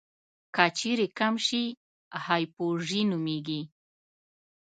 که چیرې کم شي هایپوژي نومېږي.